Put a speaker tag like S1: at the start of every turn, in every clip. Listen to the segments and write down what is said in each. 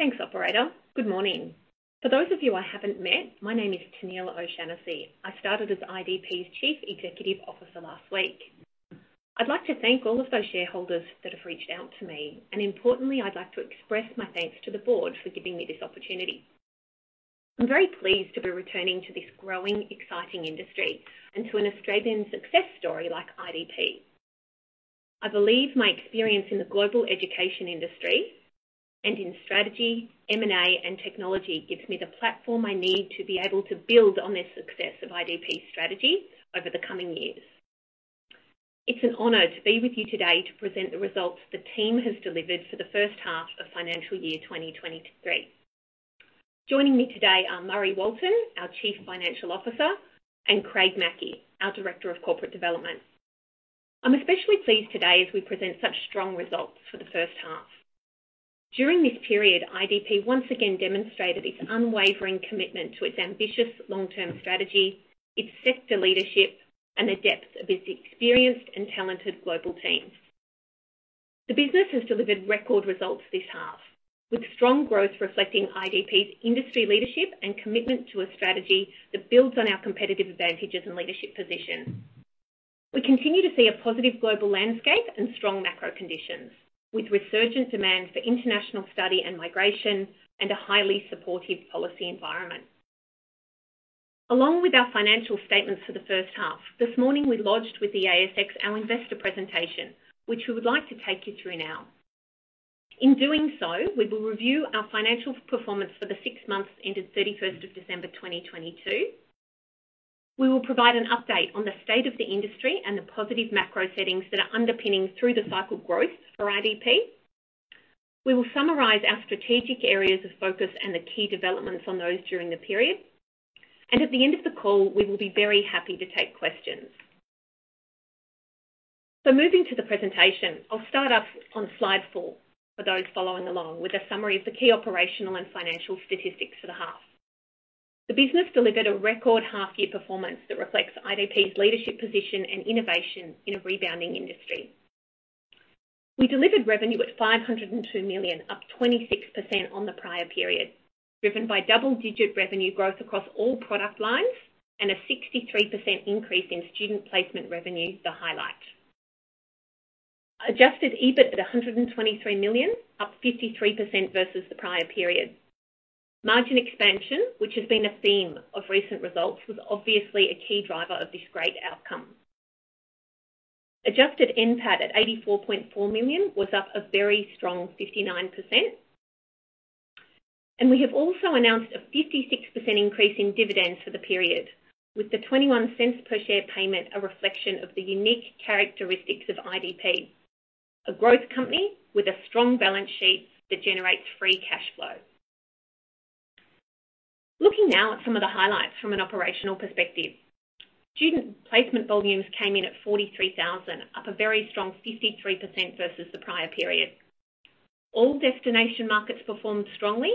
S1: Thanks operator. Good morning. For those of you I haven't met, my name is Tennealle O'Shannessy. I started as IDP's Chief Executive Officer last week. I'd like to thank all of those shareholders that have reached out to me. Importantly, I'd like to express my thanks to the board for giving me this opportunity. I'm very pleased to be returning to this growing, exciting industry and to an Australian success story like IDP. I believe my experience in the global education industry and in strategy, M&A, and technology gives me the platform I need to be able to build on this success of IDP's strategy over the coming years. It's an honor to be with you today to present the results the team has delivered for the first half of financial year 2023. Joining me today are Murray Walton, our Chief Financial Officer, and Craig Mackie, our Director of Corporate Development. I'm especially pleased today as we present such strong results for the first half. During this period, IDP once again demonstrated its unwavering commitment to its ambitious long-term strategy, its sector leadership, and the depth of its experienced and talented global teams. The business has delivered record results this half, with strong growth reflecting IDP's industry leadership and commitment to a strategy that builds on our competitive advantages and leadership position. We continue to see a positive global landscape and strong macro conditions, with resurgent demand for international study and migration and a highly supportive policy environment. Along with our financial statements for the first half, this morning we lodged with the ASX our investor presentation, which we would like to take you through now. In doing so, we will review our financial performance for the six months ended 31st of December, 2022. We will provide an update on the state of the industry and the positive macro settings that are underpinning through-the-cycle growth for IDP. We will summarize our strategic areas of focus and the key developments on those during the period. At the end of the call, we will be very happy to take questions. Moving to the presentation, I'll start off on slide four for those following along with a summary of the key operational and financial statistics for the half. The business delivered a record half year performance that reflects IDP's leadership position and innovation in a rebounding industry. We delivered revenue at 502 million, up 26% on the prior period, driven by double-digit revenue growth across all product lines and a 63% increase in student placement revenue to highlight. Adjusted EBIT at 123 million, up 53% versus the prior period. Margin expansion, which has been a theme of recent results, was obviously a key driver of this great outcome. Adjusted NPAT at 84.4 million was up a very strong 59%. We have also announced a 56% increase in dividends for the period, with the 0.21 per share payment a reflection of the unique characteristics of IDP, a growth company with a strong balance sheet that generates free cash flow. Looking now at some of the highlights from an operational perspective. Student placement volumes came in at 43,000, up a very strong 53% versus the prior period. All destination markets performed strongly,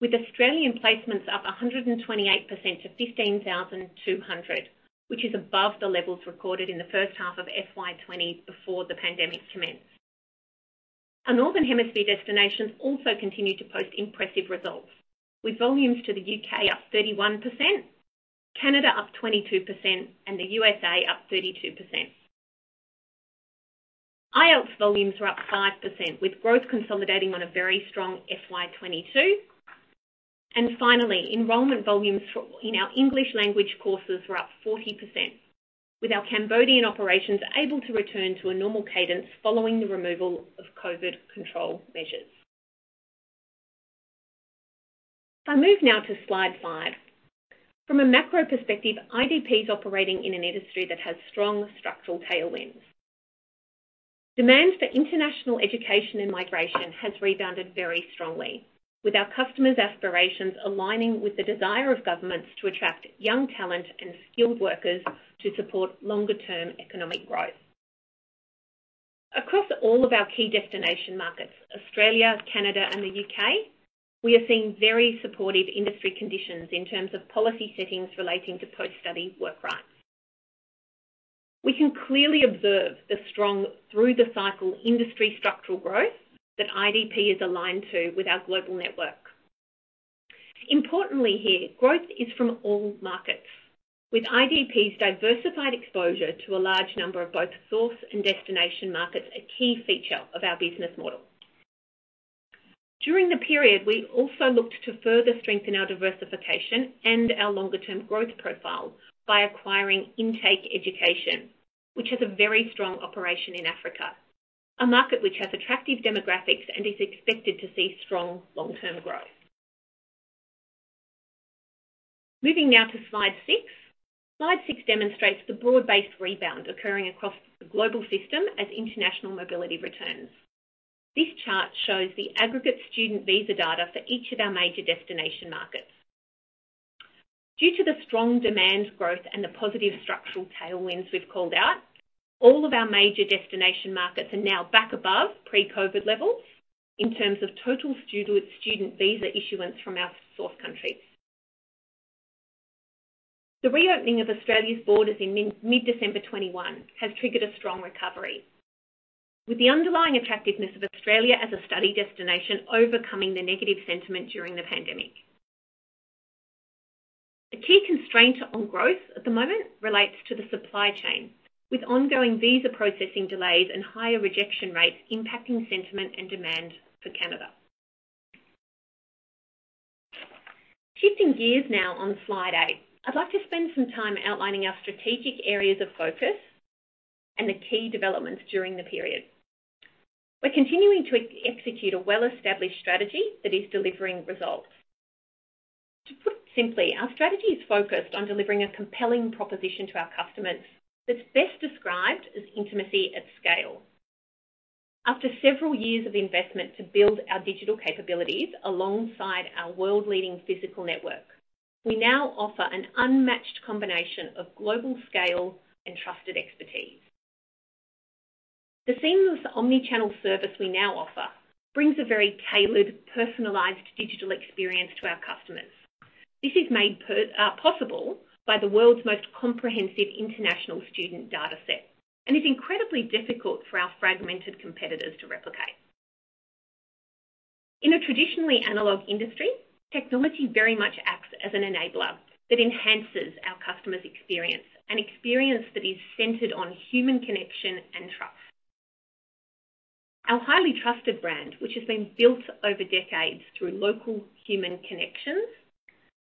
S1: with Australian placements up 128% to 15,200, which is above the levels recorded in the first half of FY 2020 before the pandemic commenced. Our Northern Hemisphere destinations also continued to post impressive results, with volumes to the U.K. up 31%, Canada up 22%, and the U.S.A. up 32%. IELTS volumes were up 5%, with growth consolidating on a very strong FY 2022. Finally, enrollment volumes in our English language courses were up 40%, with our Cambodian operations able to return to a normal cadence following the removal of COVID control measures. If I move now to slide five. From a macro perspective, IDP's operating in an industry that has strong structural tailwinds. Demand for international education and migration has rebounded very strongly, with our customers' aspirations aligning with the desire of governments to attract young talent and skilled workers to support longer-term economic growth. Across all of our key destination markets, Australia, Canada and the U.K., we are seeing very supportive industry conditions in terms of policy settings relating to post-study work rights. We can clearly observe the strong through-the-cycle industry structural growth that IDP is aligned to with our global network. Importantly here, growth is from all markets, with IDP's diversified exposure to a large number of both source and destination markets a key feature of our business model. During the period, we also looked to further strengthen our diversification and our longer-term growth profile by acquiring Intake Education, which has a very strong operation in Africa, a market which has attractive demographics and is expected to see strong long-term growth. Moving now to slide six. Slide six demonstrates the broad-based rebound occurring across the global system as international mobility returns. This chart shows the aggregate student visa data for each of our major destination markets. Due to the strong demand growth and the positive structural tailwinds we've called out, all of our major destination markets are now back above pre-COVID levels in terms of total student visa issuance from our source countries. The reopening of Australia's borders in mid-December 2021 has triggered a strong recovery. With the underlying attractiveness of Australia as a study destination overcoming the negative sentiment during the pandemic. The key constraint on growth at the moment relates to the supply chain, with ongoing visa processing delays and higher rejection rates impacting sentiment and demand for Canada. Shifting gears now on slide eight, I'd like to spend some time outlining our strategic areas of focus and the key developments during the period. We're continuing to execute a well-established strategy that is delivering results. To put it simply, our strategy is focused on delivering a compelling proposition to our customers that's best described as intimacy at scale. After several years of investment to build our digital capabilities alongside our world-leading physical network, we now offer an unmatched combination of global scale and trusted expertise. The seamless omnichannel service we now offer brings a very tailored, personalized digital experience to our customers. This is made possible by the world's most comprehensive international student dataset and is incredibly difficult for our fragmented competitors to replicate. In a traditionally analog industry, technology very much acts as an enabler that enhances our customers' experience, an experience that is centered on human connection and trust. Our highly trusted brand, which has been built over decades through local human connections,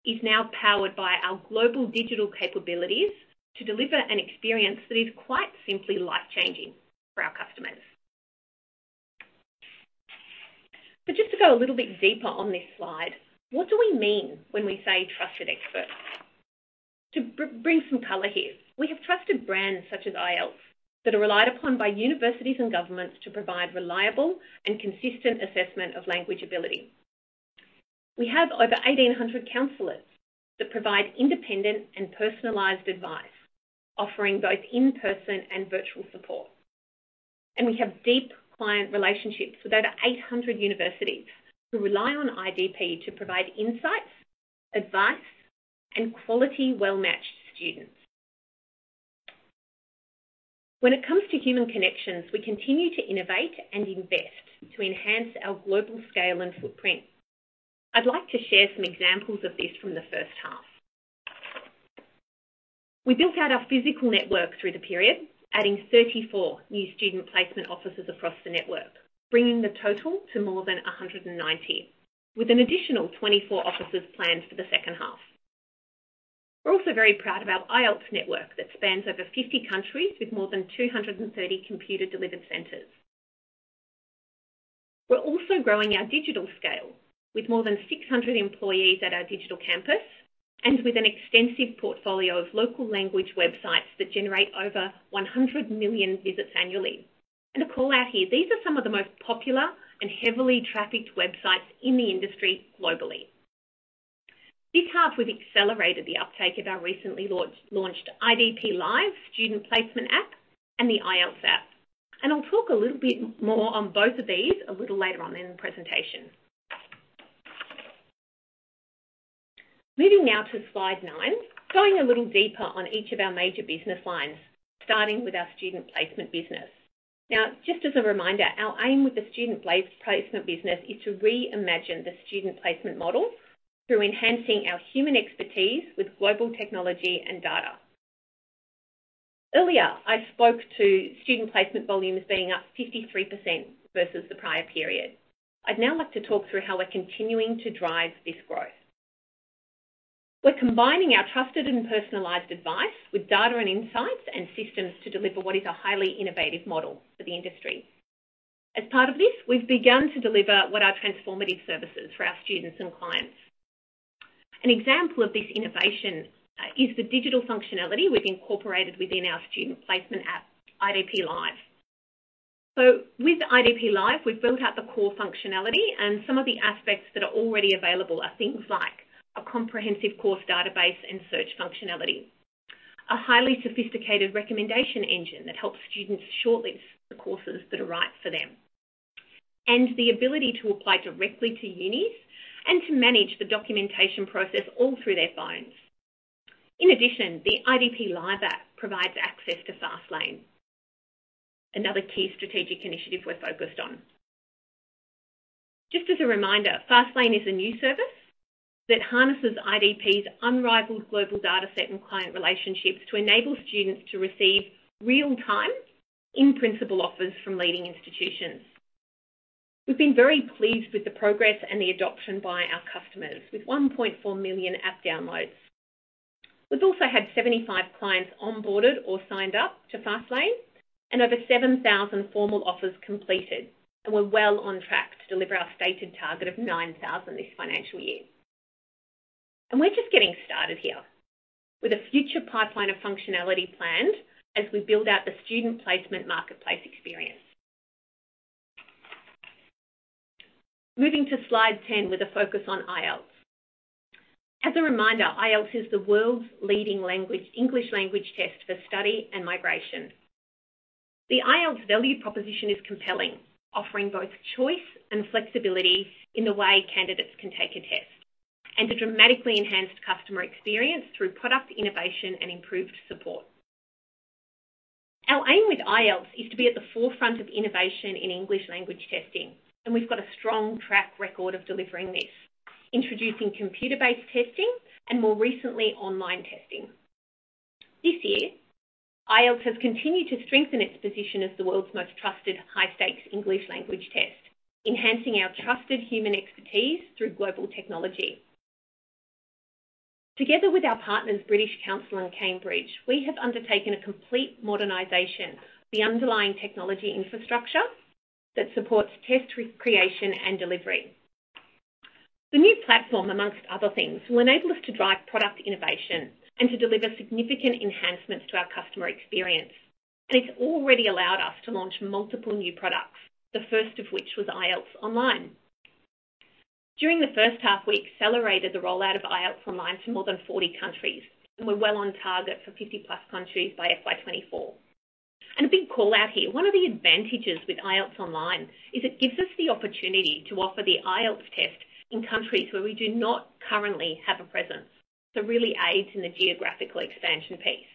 S1: is now powered by our global digital capabilities to deliver an experience that is quite simply life-changing for our customers. Just to go a little bit deeper on this slide, what do we mean when we say trusted experts? To bring some color here, we have trusted brands such as IELTS that are relied upon by universities and governments to provide reliable and consistent assessment of language ability. We have over 1,800 counselors that provide independent and personalized advice, offering both in-person and virtual support. We have deep client relationships with over 800 universities who rely on IDP to provide insights, advice, and quality well-matched students. When it comes to human connections, we continue to innovate and invest to enhance our global scale and footprint. I'd like to share some examples of this from the first half. We built out our physical network through the period, adding 34 new student placement offices across the network, bringing the total to more than 190, with an additional 24 offices planned for the second half. We're also very proud of our IELTS network that spans over 50 countries with more than 230 computer-delivered centers. We're also growing our digital scale with more than 600 employees at our digital campus and with an extensive portfolio of local language websites that generate over 100 million visits annually. A call-out here, these are some of the most popular and heavily trafficked websites in the industry globally. This half, we've accelerated the uptake of our recently launched IDP Live student placement app and the IELTS app. I'll talk a little bit more on both of these a little later on in the presentation. Moving now to slide nine, going a little deeper on each of our major business lines, starting with our student placement business. Now, just as a reminder, our aim with the student placement business is to reimagine the student placement model through enhancing our human expertise with global technology and data. Earlier, I spoke to student placement volumes being up 53% versus the prior period. I'd now like to talk through how we're continuing to drive this growth. We're combining our trusted and personalized advice with data and insights and systems to deliver what is a highly innovative model for the industry. As part of this, we've begun to deliver what are transformative services for our students and clients. An example of this innovation is the digital functionality we've incorporated within our student placement app, IDP Live. With IDP Live, we've built out the core functionality, and some of the aspects that are already available are things like a comprehensive course database and search functionality, a highly sophisticated recommendation engine that helps students shortlist the courses that are right for them, and the ability to apply directly to unis and to manage the documentation process all through their phones. In addition, the IDP Live app provides access to FastLane, another key strategic initiative we're focused on. Just as a reminder, FastLane is a new service that harnesses IDP's unrivaled global dataset and client relationships to enable students to receive real-time, in-principle offers from leading institutions. We've been very pleased with the progress and the adoption by our customers with 1.4 million app downloads. We've also had 75 clients onboarded or signed up to FastLane and over 7,000 formal offers completed, and we're well on track to deliver our stated target of 9,000 this financial year. We're just getting started here, with a future pipeline of functionality planned as we build out the student placement marketplace experience. Moving to slide 10 with a focus on IELTS. As a reminder, IELTS is the world's leading English language test for study and migration. The IELTS value proposition is compelling, offering both choice and flexibility in the way candidates can take a test, and a dramatically enhanced customer experience through product innovation and improved support. Our aim with IELTS is to be at the forefront of innovation in English language testing, and we've got a strong track record of delivering this, introducing computer-based testing and more recently, online testing. This year, IELTS has continued to strengthen its position as the world's most trusted high-stakes English language test, enhancing our trusted human expertise through global technology. Together with our partners, British Council and Cambridge, we have undertaken a complete modernization of the underlying technology infrastructure that supports test creation and delivery. The new platform, among other things, will enable us to drive product innovation and to deliver significant enhancements to our customer experience. It's already allowed us to launch multiple new products, the first of which was IELTS Online. During the first half, we accelerated the rollout of IELTS Online to more than 40 countries, and we're well on target for 50+ countries by FY 2024. A big call-out here. One of the advantages with IELTS Online is it gives us the opportunity to offer the IELTS test in countries where we do not currently have a presence. Really aids in the geographical expansion piece.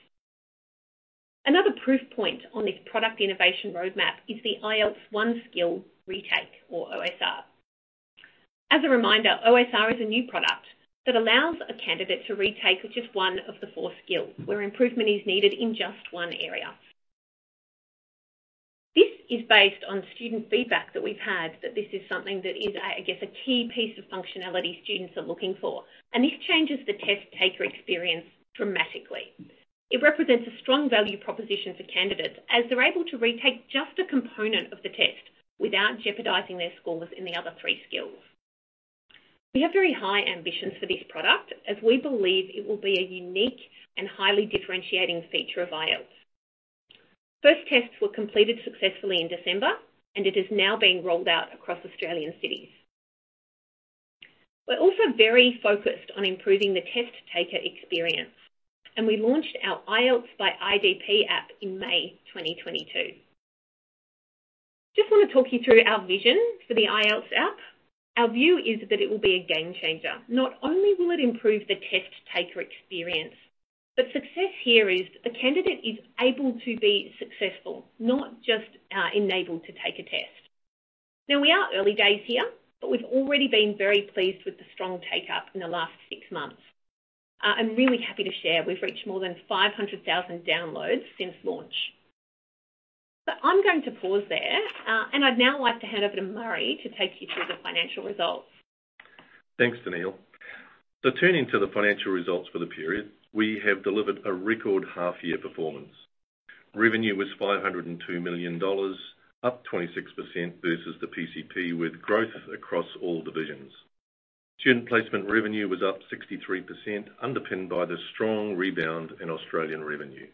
S1: Another proof point on this product innovation roadmap is the IELTS One Skill Retake, or OSR. As a reminder, OSR is a new product that allows a candidate to retake just one of the four skills, where improvement is needed in just one area. This is based on student feedback that we've had that this is something that is a, I guess, a key piece of functionality students are looking for. This changes the test taker experience dramatically. It represents a strong value proposition for candidates as they're able to retake just a component of the test without jeopardizing their scores in the other three skills. We have very high ambitions for this product as we believe it will be a unique and highly differentiating feature of IELTS. First tests were completed successfully in December. It is now being rolled out across Australian cities. We're also very focused on improving the test taker experience. We launched our IELTS by IDP app in May 2022. Just want to talk you through our vision for the IELTS app. Our view is that it will be a game changer. Not only will it improve the test taker experience, but success here is a candidate is able to be successful, not just enabled to take a test. We are early days here, but we've already been very pleased with the strong take-up in the last six months. I'm really happy to share we've reached more than 500,000 downloads since launch. I'm going to pause there. I'd now like to hand over to Murray to take you through the financial results.
S2: Thanks, Tennealle. Turning to the financial results for the period, we have delivered a record half-year performance. Revenue was 502 million dollars, up 26% versus the PCP, with growth across all divisions. Student placement revenue was up 63%, underpinned by the strong rebound in Australian revenue.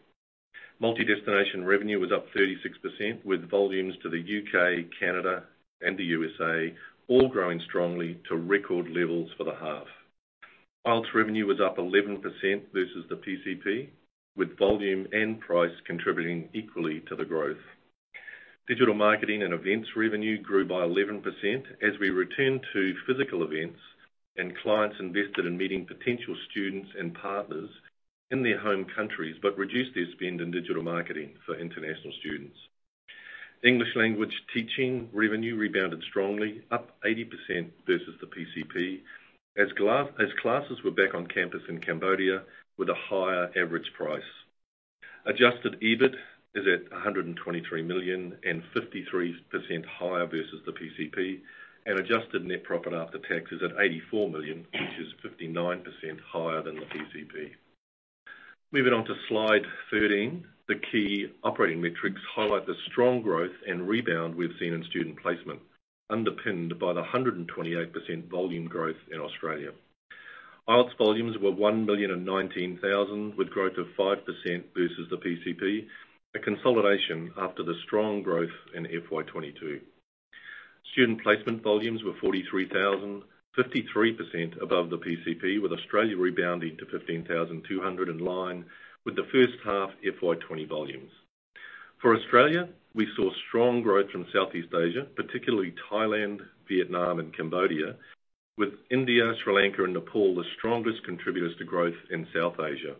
S2: Multi-destination revenue was up 36%, with volumes to the U.K., Canada, and the U.S.A. all growing strongly to record levels for the half. IELTS revenue was up 11% versus the PCP, with volume and price contributing equally to the growth. Digital marketing and events revenue grew by 11% as we return to physical events and clients invested in meeting potential students and partners in their home countries, but reduced their spend in digital marketing for international students. English language teaching revenue rebounded strongly, up 80% versus the PCP, as classes were back on campus in Cambodia with a higher average price. Adjusted EBIT is at 123 million and 53% higher versus the PCP. Adjusted net profit after tax is at 84 million, which is 59% higher than the PCP. Moving on to slide 13, the key operating metrics highlight the strong growth and rebound we've seen in student placement, underpinned by the 128% volume growth in Australia. IELTS volumes were 1,019,000, with growth of 5% versus the PCP. A consolidation after the strong growth in FY 2022. Student placement volumes were 43,000, 53% above the PCP, with Australia rebounding to 15,200 in line with the first half FY 2020 volumes. For Australia, we saw strong growth from Southeast Asia, particularly Thailand, Vietnam and Cambodia. With India, Sri Lanka and Nepal the strongest contributors to growth in South Asia.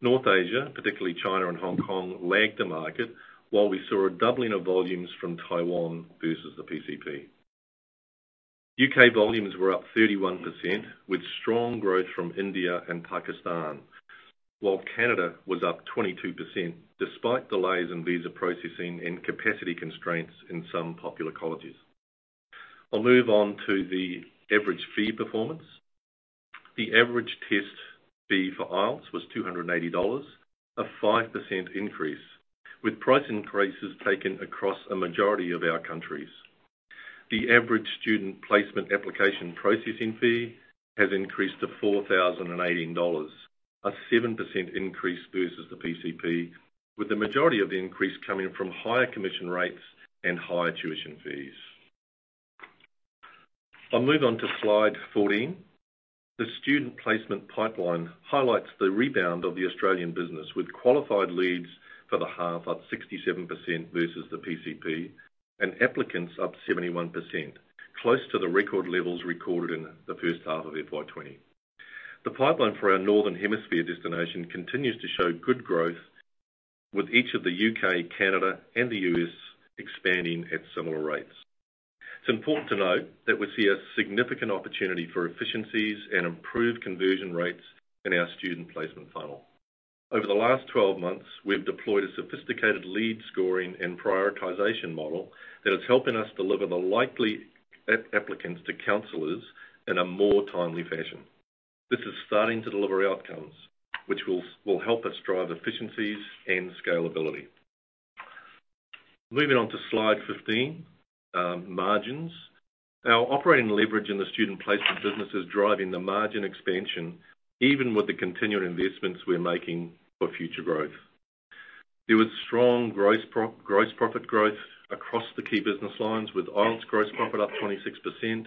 S2: North Asia, particularly China and Hong Kong, lagged the market while we saw a doubling of volumes from Taiwan versus the PCP. U.K. volumes were up 31%, with strong growth from India and Pakistan, while Canada was up 22% despite delays in visa processing and capacity constraints in some popular colleges. I'll move on to the average fee performance. The average test fee for IELTS was 280 dollars, a 5% increase, with price increases taken across a majority of our countries. The average student placement application processing fee has increased to 4,018 dollars, a 7% increase versus the PCP, with the majority of the increase coming from higher commission rates and higher tuition fees. I'll move on to slide 14. The student placement pipeline highlights the rebound of the Australian business, with qualified leads for the half up 67% versus the PCP and applicants up 71%, close to the record levels recorded in the first half of FY 2020. The pipeline for our Northern Hemisphere destination continues to show good growth with each of the U.K., Canada, and the U.S. expanding at similar rates. It's important to note that we see a significant opportunity for efficiencies and improved conversion rates in our student placement funnel. Over the last 12 months, we've deployed a sophisticated lead scoring and prioritization model that is helping us deliver the likely app-applicants to counselors in a more timely fashion. This is starting to deliver outcomes which will help us drive efficiencies and scalability. Moving on to slide 15, margins. Our operating leverage in the student placement business is driving the margin expansion, even with the continuing investments we're making for future growth. There was strong Gross Profit growth across the key business lines, with IELTS Gross Profit up 26%,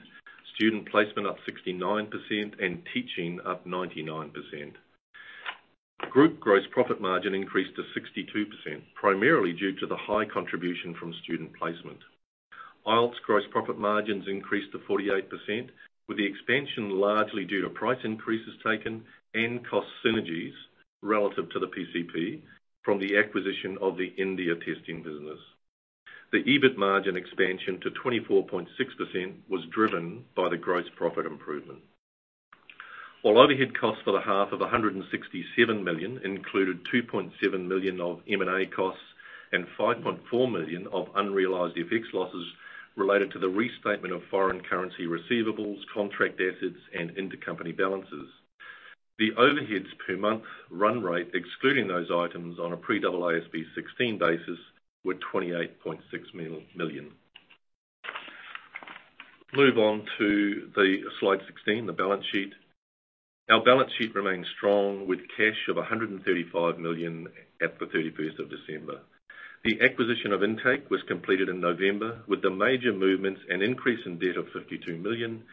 S2: student placement up 69%, and teaching up 99%. Group Gross Profit margin increased to 62%, primarily due to the high contribution from student placement. IELTS gross profit margins increased to 48%, with the expansion largely due to price increases taken and cost synergies relative to the PCP from the acquisition of the India testing business. The EBIT margin expansion to 24.6% was driven by the gross profit improvement. All overhead costs for the half of 167 million included 2.7 million of M&A costs and 5.4 million of unrealized FX losses related to the restatement of foreign currency receivables, contract assets, and intercompany balances. The overheads per month run rate, excluding those items on a pre- AASB 16 basis, were 28.6 million. Move on to slide 16, the balance sheet. Our balance sheet remains strong with cash of 135 million at the 31st of December. The acquisition of Intake was completed in November, with the major movements an increase in debt of 52 million,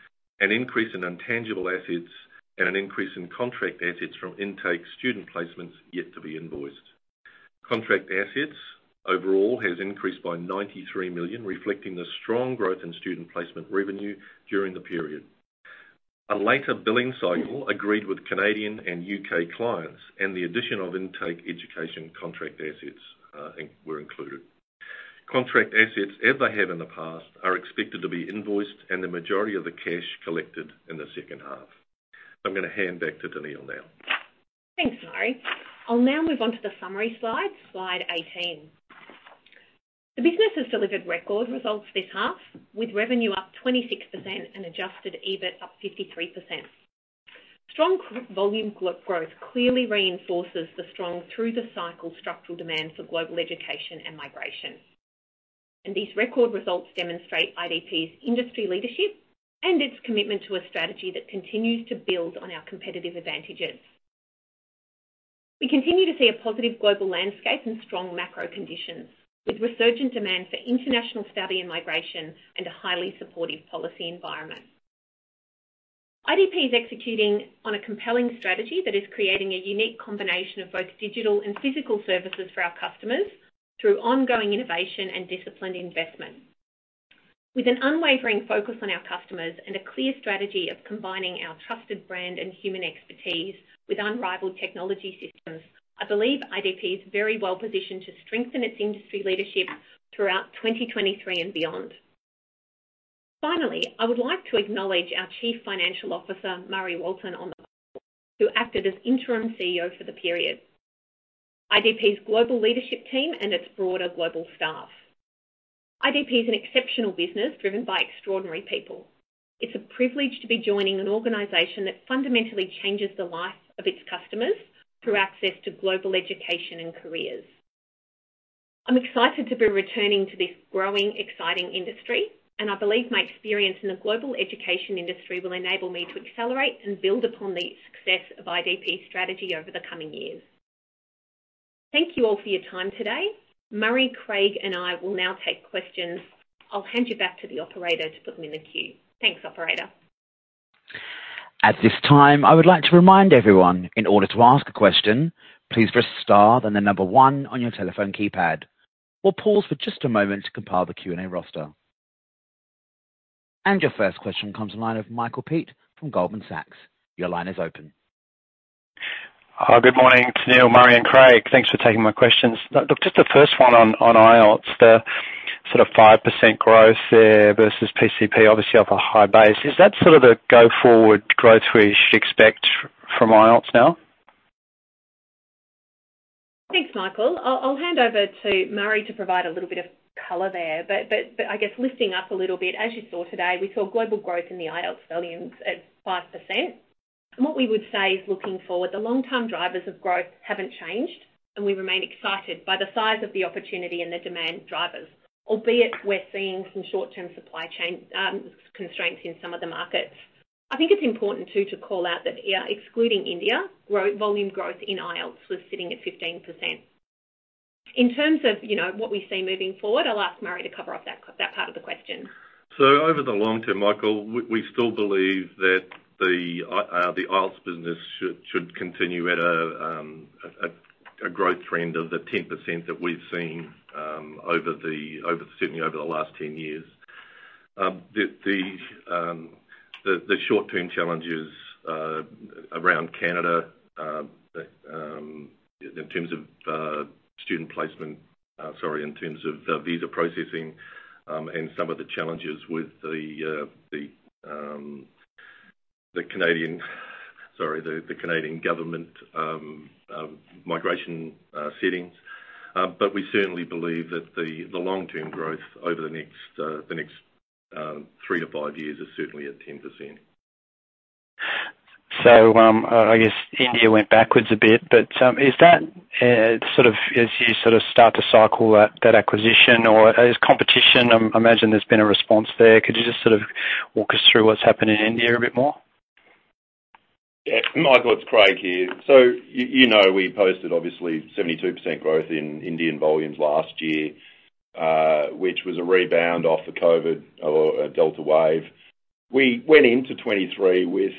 S2: an increase in intangible assets, and an increase in contract assets from Intake student placements yet to be invoiced. Contract assets overall has increased by 93 million, reflecting the strong growth in student placement revenue during the period. A later billing cycle agreed with Canadian and UK clients and the addition of Intake Education contract assets were included. Contract assets, as they have in the past, are expected to be invoiced and the majority of the cash collected in the second half. I'm gonna hand back to Tennealle now.
S1: Thanks, Murray. I'll now move on to the summary slide 18. The business has delivered record results this half, with revenue up 26% and adjusted EBIT up 53%. Strong volume growth clearly reinforces the strong through the cycle structural demand for global education and migration. These record results demonstrate IDP's industry leadership and its commitment to a strategy that continues to build on our competitive advantages. We continue to see a positive global landscape and strong macro conditions, with resurgent demand for international study and migration and a highly supportive policy environment. IDP is executing on a compelling strategy that is creating a unique combination of both digital and physical services for our customers through ongoing innovation and disciplined investment. With an unwavering focus on our customers and a clear strategy of combining our trusted brand and human expertise with unrivaled technology systems, I believe IDP is very well-positioned to strengthen its industry leadership throughout 2023 and beyond. I would like to acknowledge our Chief Financial Officer, Murray Walton, on the call, who acted as Interim CEO for the period, IDP's global leadership team, and its broader global staff. IDP is an exceptional business driven by extraordinary people. It's a privilege to be joining an organization that fundamentally changes the lives of its customers through access to global education and careers. I'm excited to be returning to this growing, exciting industry, and I believe my experience in the global education industry will enable me to accelerate and build upon the success of IDP's strategy over the coming years. Thank you all for your time today. Murray, Craig, and I will now take questions. I'll hand you back to the operator to put them in the queue. Thanks, operator.
S3: At this time, I would like to remind everyone, in order to ask a question, please press star then the number one on your telephone keypad. We'll pause for just a moment to compile the Q&A roster. Your first question comes from the line of Michael Peat from Goldman Sachs. Your line is open.
S4: Good morning, Tennealle, Murray, and Craig. Thanks for taking my questions. Look, just the first one on IELTS, the sort of 5% growth there versus PCP, obviously off a high base. Is that sort of a go-forward growth we should expect from IELTS now?
S1: Thanks, Michael. I'll hand over to Murray to provide a little bit of color there. I guess lifting up a little bit, as you saw today, we saw global growth in the IELTS volumes at 5%. What we would say is looking forward, the long-term drivers of growth haven't changed, and we remain excited by the size of the opportunity and the demand drivers. Albeit we're seeing some short-term supply chain constraints in some of the markets. I think it's important, too, to call out that, yeah, excluding India, volume growth in IELTS was sitting at 15%. In terms of, you know, what we see moving forward, I'll ask Murray to cover off that part of the question.
S2: Over the long term, Michael, we still believe that the IELTS business should continue at a growth trend of the 10% that we've seen certainly over the last 10 years. The short-term challenges around Canada, the in terms of student placement... sorry, in terms of the visa processing, and some of the challenges with the Canadian, sorry, the Canadian government migration settings. We certainly believe that the long-term growth over the next three to five years is certainly at 10%.
S4: I guess India went backwards a bit, is that sort of, as you sort of start to cycle that acquisition or is competition? I imagine there's been a response there. Could you just sort of walk us through what's happened in India a bit more?
S5: Yeah. Michael, it's Craig here. You know, we posted obviously 72% growth in Indian volumes last year, which was a rebound off the COVID Delta wave. We went into 2023 with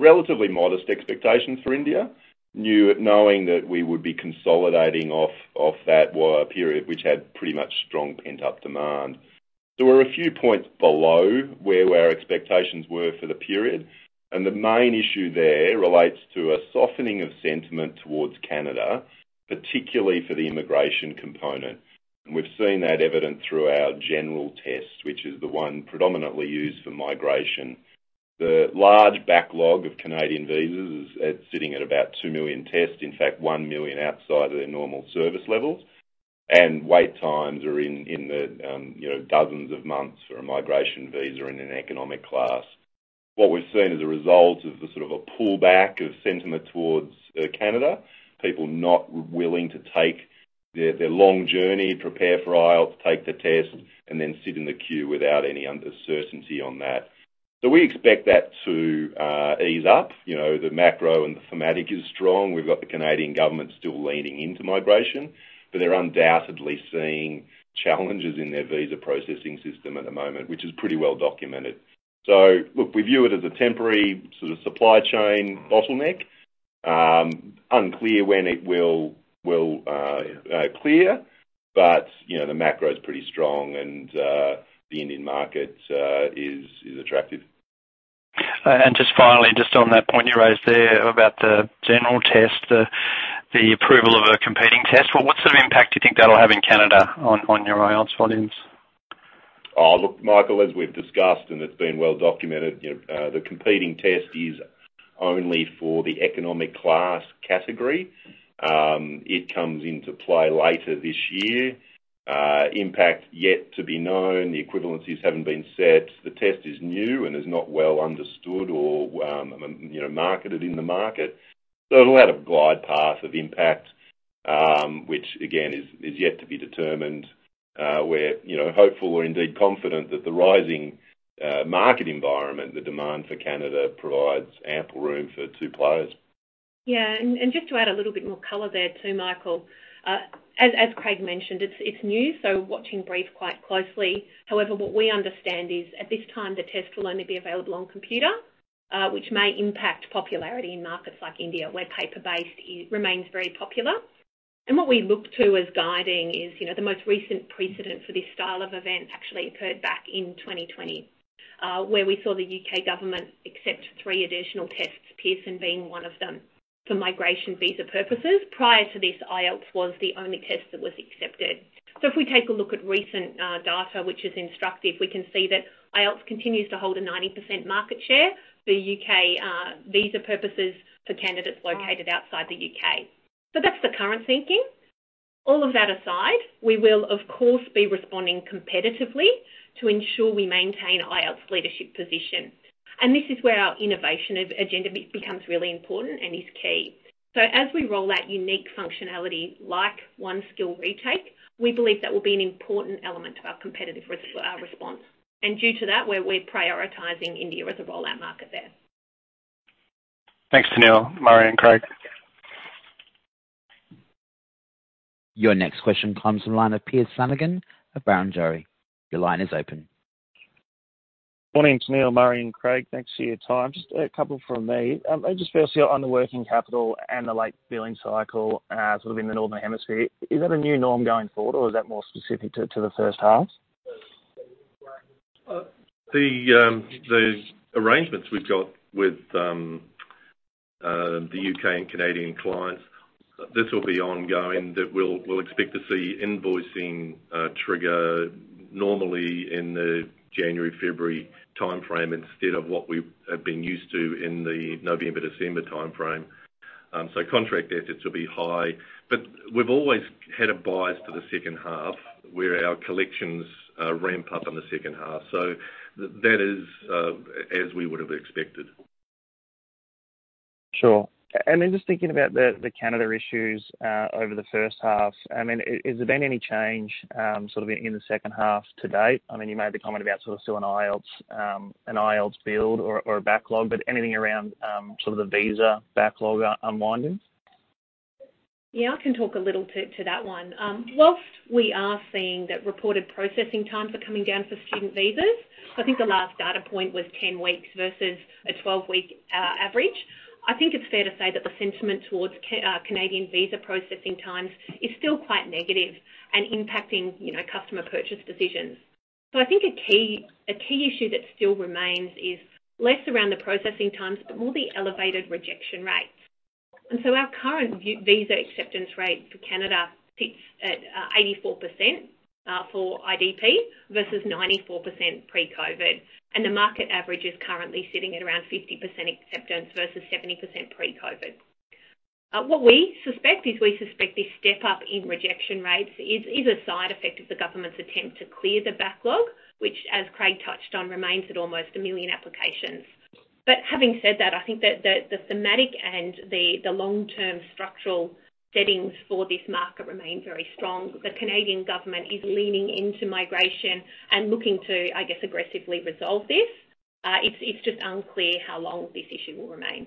S5: relatively modest expectations for India, knowing that we would be consolidating off that period, which had pretty much strong pent-up demand. There were a few points below where our expectations were for the period, the main issue there relates to a softening of sentiment towards Canada, particularly for the immigration component. We've seen that evident through our general test, which is the one predominantly used for migration. The large backlog of Canadian visas is sitting at about 2 million tests, in fact, 1 million outside of their normal service levels. Wait times are in the, you know, dozens of months for a migration visa in an economic class. What we've seen as a result is the sort of a pullback of sentiment towards Canada. People not willing to take their long journey, prepare for IELTS, take the test, and then sit in the queue without any certainty on that. We expect that to ease up. You know, the macro and thematic is strong. We've got the Canadian government still leaning into migration, but they're undoubtedly seeing challenges in their visa processing system at the moment, which is pretty well documented. Look, we view it as a temporary sort of supply chain bottleneck. Unclear when it will clear, but, you know, the macro is pretty strong and the Indian market is attractive.
S4: Just finally, just on that point you raised there about the general test, the approval of a competing test. What sort of impact do you think that'll have in Canada on your IELTS volumes?
S5: Look, Michael, as we've discussed, it's been well documented, you know, the competing test is only for the economic class category. It comes into play later this year. Impact yet to be known, the equivalencies haven't been set. The test is new and is not well understood or, you know, marketed in the market. It'll have a glide path of impact, which again, is yet to be determined. We're, you know, hopeful or indeed confident that the rising market environment, the demand for Canada provides ample room for two players.
S1: Yeah. And just to add a little bit more color there, too, Michael. As Craig mentioned, it's new, so watching brief quite closely. However, what we understand is at this time the test will only be available on computer, which may impact popularity in markets like India, where paper-based remains very popular. What we look to as guiding is, you know, the most recent precedent for this style of event actually occurred back in 2020, where we saw the U.K. government accept three additional tests, Pearson being one of them for migration visa purposes. Prior to this, IELTS was the only test that was accepted. If we take a look at recent data, which is instructive, we can see that IELTS continues to hold a 90% market share for U.K. visa purposes for candidates located outside the U.K. That's the current thinking. All of that aside, we will of course be responding competitively to ensure we maintain IELTS leadership position. This is where our innovation agenda becomes really important and is key. As we roll out unique functionality like One Skill Retake, we believe that will be an important element of our competitive response. Due to that, we're prioritizing India as a rollout market there.
S4: Thanks, Tennealle, Murray, and Craig.
S3: Your next question comes from the line of Piers Flanagan of Barrenjoey. Your line is open.
S6: Morning, Tennealle, Murray, and Craig. Thanks for your time. Just a couple from me. Just firstly on the working capital and the late billing cycle, sort of in the Northern Hemisphere. Is that a new norm going forward or is that more specific to the first half?
S2: The arrangements we've got with the U.K. and Canadian clients, this will be ongoing that we'll expect to see invoicing trigger normally in the January, February timeframe instead of what we have been used to in the November, December timeframe. Contract assets will be high. We've always had a bias to the second half, where our collections ramp up in the second half. That is as we would have expected.
S6: Sure. Just thinking about the Canada issues over the first half, I mean, has there been any change sort of in the second half to date? I mean, you made the comment about sort of still an IELTS, an IELTS build or backlog, but anything around sort of the visa backlog unwinding?
S1: I can talk a little to that one. Whilst we are seeing that reported processing times are coming down for student visas, I think the last data point was 10 weeks versus a 12-week average. I think it's fair to say that the sentiment towards Canadian visa processing times is still quite negative and impacting, you know, customer purchase decisions. I think a key issue that still remains is less around the processing times, but more the elevated rejection rates. Our current visa acceptance rate for Canada sits at 84% for IDP versus 94% pre-COVID, and the market average is currently sitting at around 50% acceptance versus 70% pre-COVID. What we suspect is we suspect this step up in rejection rates is a side effect of the government's attempt to clear the backlog, which as Craig touched on, remains at almost 1 million applications. Having said that, I think that the thematic and the long-term structural settings for this market remain very strong. The Canadian government is leaning into migration and looking to, I guess, aggressively resolve this. It's just unclear how long this issue will remain.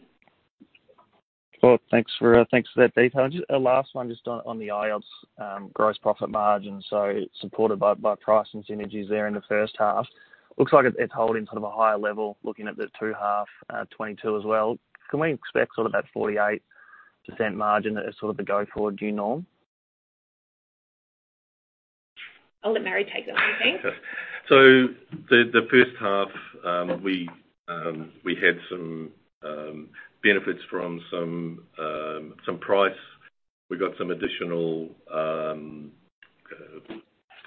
S6: Cool. Thanks for, thanks for that detail. Just a last one just on the IELTS gross profit margin. Supported by price synergies there in the first half. Looks like it's holding sort of a higher level looking at the second half FY 2022 as well. Can we expect sort of that 48% margin as sort of the go-forward new norm?
S1: I'll let Murray take that one, thanks.
S2: Okay. The first half, we had some benefits from some price. We got some additional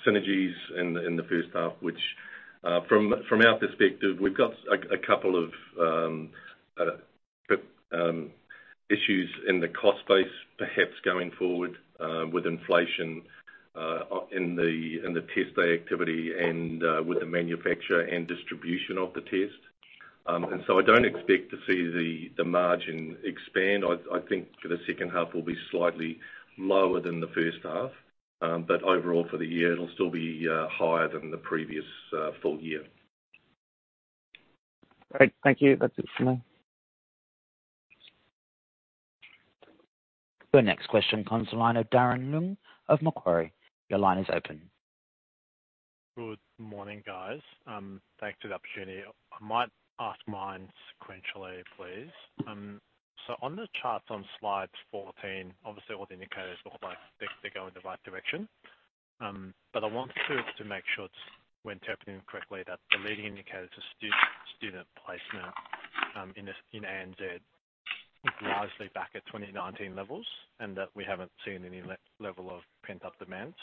S2: synergies in the first half which, from our perspective, we've got a couple of issues in the cost base perhaps going forward, with inflation in the test day activity and with the manufacture and distribution of the test. I don't expect to see the margin expand. I think the second half will be slightly lower than the first half. Overall for the year it'll still be higher than the previous full year.
S6: Great. Thank you. That's it for me.
S3: The next question comes the line of Darren Leung of Macquarie. Your line is open.
S7: Good morning, guys. Thanks for the opportunity. I might ask mine sequentially, please. On the charts on slide 14, obviously all the indicators look like they go in the right direction. I want to make sure we're interpreting correctly that the leading indicators of student placement in ANZ is largely back at 2019 levels, and that we haven't seen any level of pent-up demands.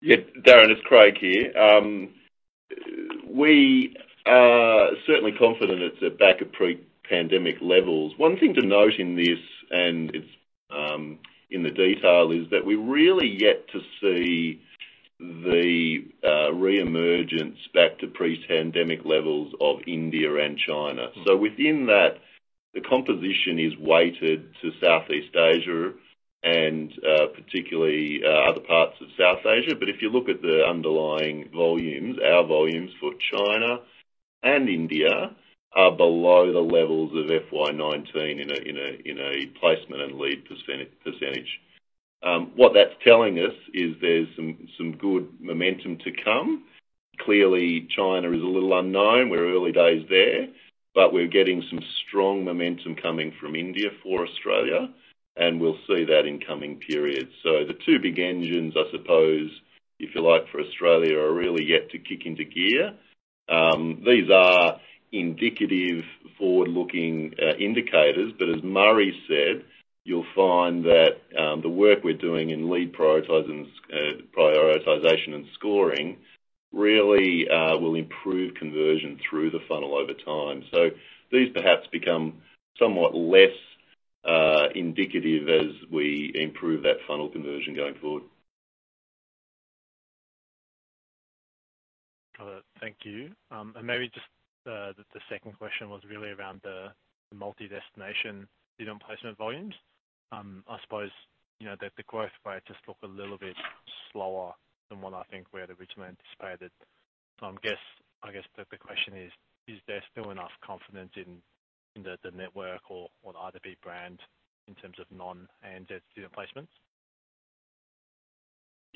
S5: Yeah. Darren, it's Craig here. We are certainly confident it's back at pre-pandemic levels. One thing to note in this, and it's in the detail, is that we're really yet to see the reemergence back to pre-pandemic levels of India and China. Within that, the composition is weighted to South East Asia and particularly other parts of South Asia. If you look at the underlying volumes, our volumes for China and India are below the levels of FY 2019 in a placement and lead percentage. What that's telling us is there's some good momentum to come. Clearly, China is a little unknown. We're early days there, but we're getting some strong momentum coming from India for Australia, and we'll see that in coming periods. The two big engines, I suppose, if you like, for Australia are really yet to kick into gear. These are indicative forward-looking indicators. As Murray said, you'll find that the work we're doing in lead prioritization and scoring really will improve conversion through the funnel over time. These perhaps become somewhat less indicative as we improve that funnel conversion going forward.
S7: Got it. Thank you. Maybe just the second question was really around the multi-destination student placement volumes. I suppose, you know, that the growth rate just looked a little bit slower than what I think we had originally anticipated. I guess the question is: Is there still enough confidence in the network or the IDP brand in terms of non-ANZ student placements?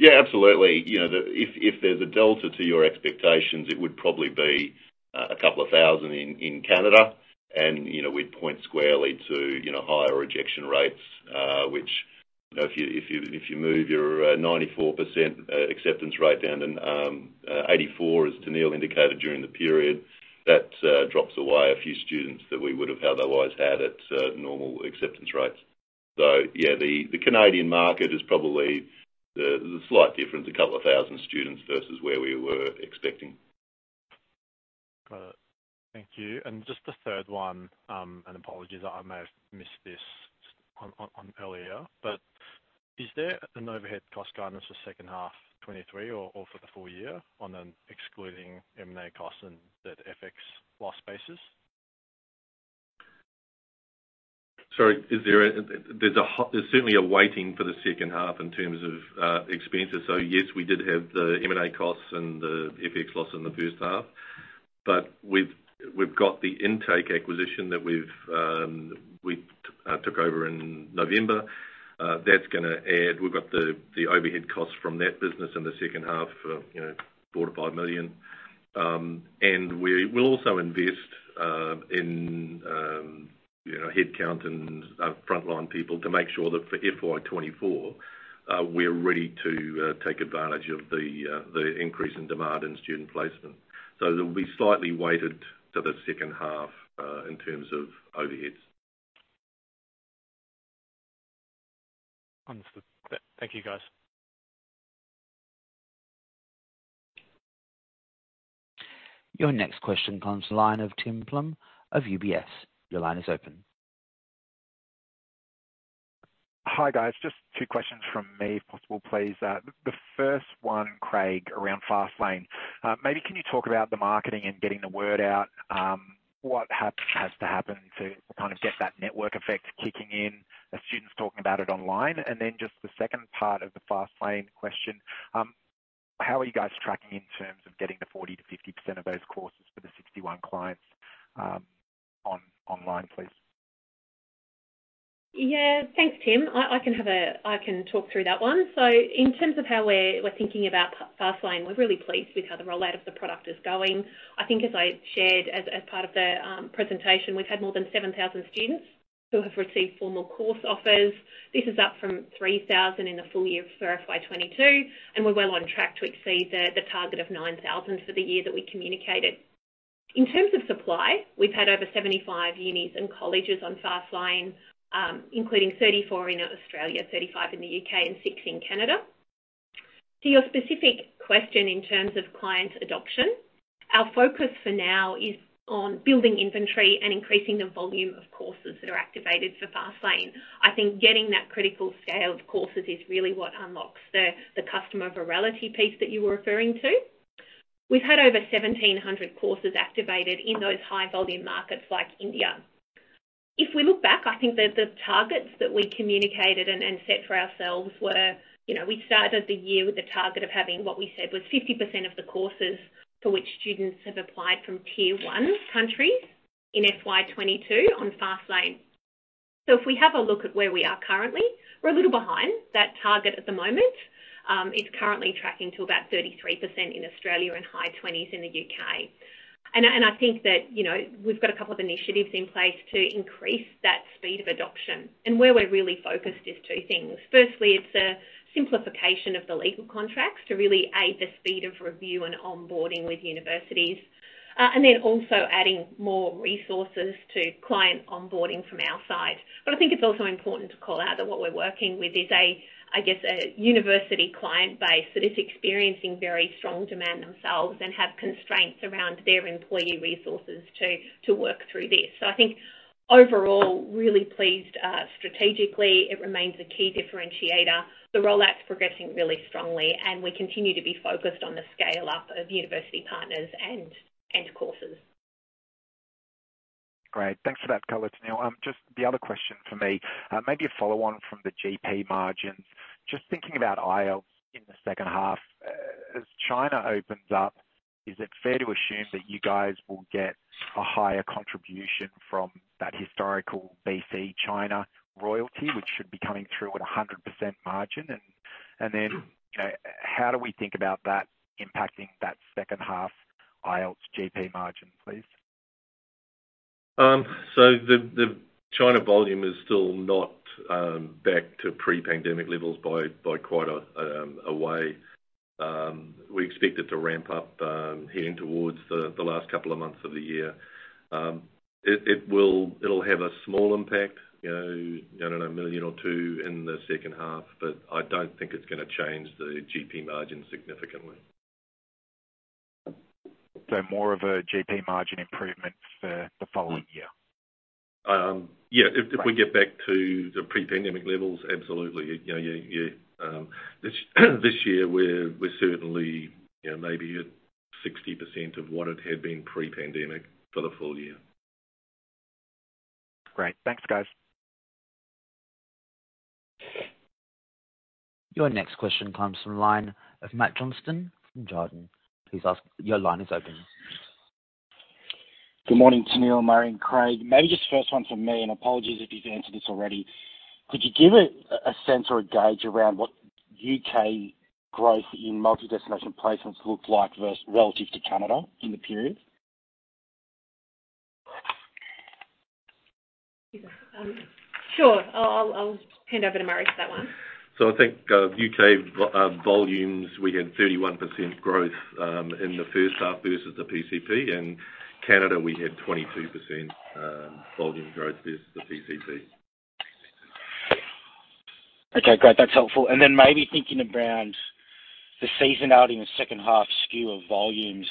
S5: Absolutely. You know, if there's a delta to your expectations, it would probably be a couple of thousand in Canada and, you know, we'd point squarely to, you know, higher rejection rates, which, you know, if you move your 94% acceptance rate down to 84%, as Tennealle indicated during the period, that drops away a few students that we would have otherwise had at normal acceptance rates. Yeah, the Canadian market is probably the slight difference, a couple of thousand students versus where we were expecting.
S7: Got it. Thank you. Just the third one, apologies, I may have missed this on earlier, but is there an overhead cost guidance for second half 2023 or for the full year on an excluding M&A costs and that FX loss basis?
S2: Sorry, is there. There's certainly a waiting for the second half in terms of expenses. Yes, we did have the M&A costs and the FX loss in the first half, but. We've got the Intake acquisition that we took over in November. That's gonna add. We've got the overhead costs from that business in the second half of, you know, 4 million-5 million. And we'll also invest in, you know, headcount and our frontline people to make sure that for FY 2024, we're ready to take advantage of the increase in demand in student placement. They'll be slightly weighted to the second half in terms of overheads.
S7: Understood. Thank you, guys.
S3: Your next question comes from the line of Tim Plumbe of UBS. Your line is open.
S8: Hi, guys. Just two questions from me, if possible, please. The first one, Craig, around FastLane. Maybe can you talk about the marketing and getting the word out? What has to happen to kind of get that network effect kicking in as students talking about it online? Then just the second part of the FastLane question, how are you guys tracking in terms of getting the 40%-50% of those courses for the 61 clients, online, please?
S1: Yeah. Thanks, Tim. I can talk through that one. In terms of how we're thinking about FastLane, we're really pleased with how the rollout of the product is going. I think as I shared as part of the presentation, we've had more than 7,000 students who have received formal course offers. This is up from 3,000 in the full year for FY 2022, we're well on track to exceed the target of 9,000 for the year that we communicated. In terms of supply, we've had over 75 unis and colleges on FastLane, including 34 in Australia, 35 in the U.K., and six in Canada. To your specific question in terms of client adoption, our focus for now is on building inventory and increasing the volume of courses that are activated for FastLane. I think getting that critical scale of courses is really what unlocks the customer virality piece that you were referring to. We've had over 1,700 courses activated in those high volume markets like India. If we look back, I think that the targets that we communicated and set for ourselves were, you know, we started the year with a target of having what we said was 50% of the courses for which students have applied from tier one countries in FY 2022 on FastLane. If we have a look at where we are currently, we're a little behind that target at the moment. It's currently tracking to about 33% in Australia and high 20s in the U.K. I think that, you know, we've got a couple of initiatives in place to increase that speed of adoption. Where we're really focused is two things. Firstly, it's a simplification of the legal contracts to really aid the speed of review and onboarding with universities, and then also adding more resources to client onboarding from our side. I think it's also important to call out that what we're working with is a, I guess, a university client base that is experiencing very strong demand themselves and have constraints around their employee resources to work through this. I think overall, really pleased. Strategically it remains a key differentiator. The rollout's progressing really strongly, and we continue to be focused on the scale-up of university partners and courses.
S8: Great. Thanks for that color, Tennealle. Just the other question for me, maybe a follow-on from the GP margins. Just thinking about IELTS in the second half, as China opens up, is it fair to assume that you guys will get a higher contribution from that historical BC China royalty, which should be coming through at a 100% margin? You know, how do we think about that impacting that second half IELTS GP margin, please?
S2: The China volume is still not back to pre-pandemic levels by quite a way. We expect it to ramp up heading towards the last couple of months of the year. It'll have a small impact, you know, I don't know, 1 million or 2 million in the second half, but I don't think it's gonna change the GP margin significantly.
S8: More of a GP margin improvement for the following year.
S2: Yeah. If we get back to the pre-pandemic levels, absolutely. You know, yeah. This year we're certainly, you know, maybe at 60% of what it had been pre-pandemic for the full year.
S8: Great. Thanks, guys.
S3: Your next question comes from the line of Matt Johnston from Jarden. Your line is open.
S9: Good morning, Tennealle, Murray, and Craig. Just the first one from me, and apologies if you've answered this already. Could you give a sense or a gauge around what U.K. growth in multi-destination placements look like versus relative to Canada in the period?
S1: Sure. I'll hand over to Murray for that one.
S2: I think U.K. volumes, we had 31% growth in the first half versus the PCP. In Canada, we had 22% volume growth versus the PCP.
S9: Okay, great. That's helpful. Then maybe thinking around the seasonality and second half skew of volumes,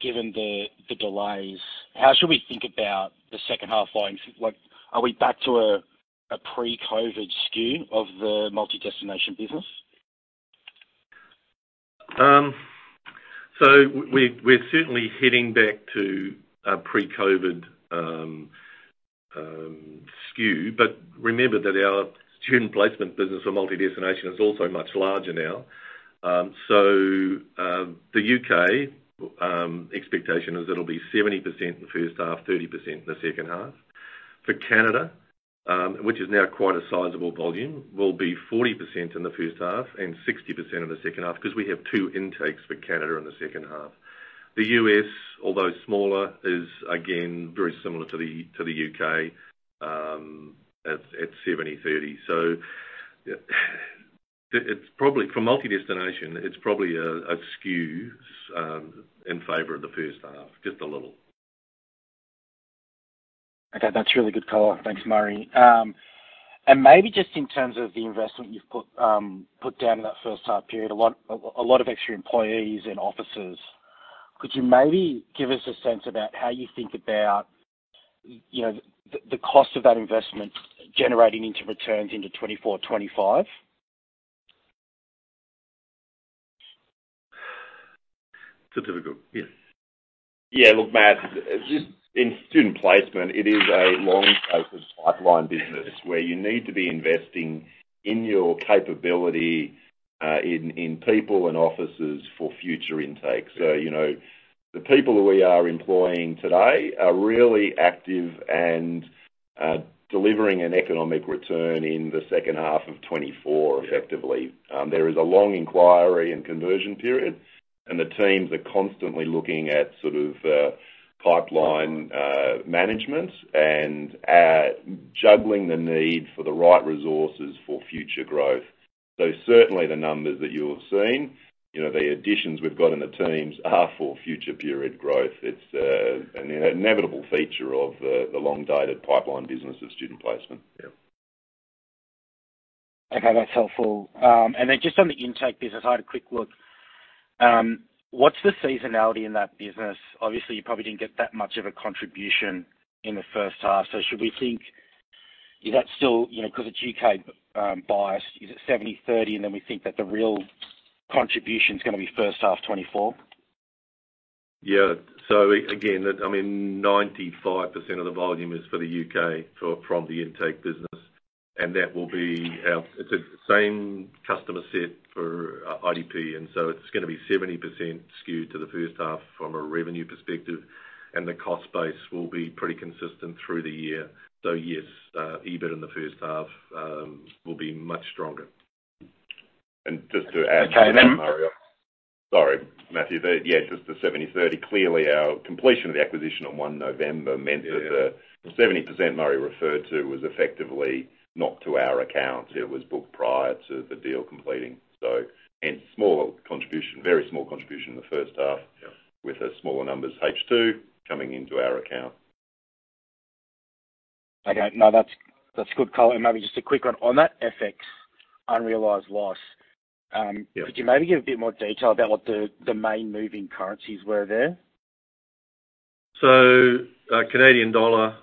S9: given the delays, how should we think about the second half volumes? Like, are we back to a pre-COVID skew of the multi-destination business?
S2: We're certainly heading back to a pre-COVID skew. Remember that our student placement business for multi-destination is also much larger now. The U.K. expectation is it'll be 70% in the first half, 30% in the second half. For Canada, which is now quite a sizable volume, will be 40% in the first half and 60% in the second half because we have two intakes for Canada in the second half. The U.S., although smaller, is again very similar to the U.K., at 70-30. It's probably for multi-destination, it's probably a skew in favor of the first half, just a little.
S9: Okay. That's really good color. Thanks, Murray. Maybe just in terms of the investment you've put down in that H1 period, a lot of extra employees and officers. Could you maybe give us a sense about how you think about, you know, the cost of that investment generating into returns into FY 2024/FY 2025?
S2: It's a difficult... Yes.
S5: Look, Matt, just in student placement, it is a long type of pipeline business where you need to be investing in your capability, in people and offices for future intakes. You know, the people that we are employing today are really active and delivering an economic return in the second half of 2024 effectively. There is a long inquiry and conversion period, and the teams are constantly looking at sort of, pipeline management and juggling the need for the right resources for future growth. Certainly the numbers that you're seeing, you know, the additions we've got in the teams are for future period growth. It's an inevitable feature of the long-dated pipeline business of student placement.
S2: Yeah.
S9: Okay, that's helpful. Just on the Intake business, I had a quick look. What's the seasonality in that business? Obviously, you probably didn't get that much of a contribution in the first half. Is that still, you know, 'cause it's U.K. biased, is it 70/30? Then we think that the real contribution is gonna be first half 2024.
S2: Yeah. Again, I mean, 95% of the volume is for the U.K. from the Intake business. That will be It's the same customer set for IDP. It's gonna be 70% skewed to the first half from a revenue perspective. The cost base will be pretty consistent through the year. Yes, EBIT in the first half, will be much stronger.
S5: Just to add-
S9: Okay.
S5: Sorry, Matt. Yeah, just the 70/30. Clearly, our completion of the acquisition on 1 November meant that the 70% Murray referred to was effectively not to our account. It was booked prior to the deal completing. Hence smaller contribution, very small contribution in the first half-
S2: Yeah.
S5: With the smaller numbers H2 coming into our account.
S9: Okay. No, that's good color. Maybe just a quick one on that FX unrealized loss.
S2: Yeah.
S9: Could you maybe give a bit more detail about what the main moving currencies were there?
S2: Canadian dollar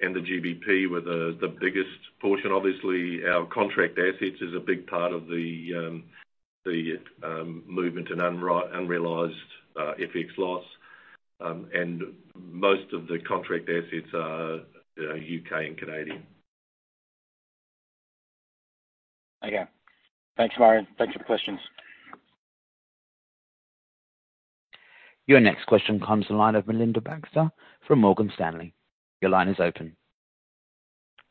S2: and the GBP were the biggest portion. Obviously, our contract assets is a big part of the movement in unrealized FX loss. Most of the contract assets are U.K. and Canadian.
S9: Okay. Thanks, Murray. Thanks for the questions.
S3: Your next question comes the line of Melinda Baxter from Morgan Stanley. Your line is open.